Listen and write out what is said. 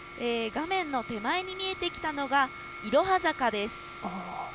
画面の手前に見えてきたのが、いろは坂です。